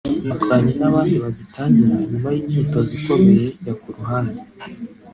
nakoranye n’abandi bagitangira nyuma imyitozo ikomeye njya ku ruhande